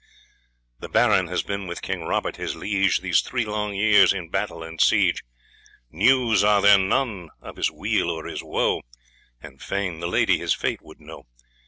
The Baron has been with King Robert his liege These three long years in battle and siege; News are there none of his weal or his woe, And fain the Lady his fate would know.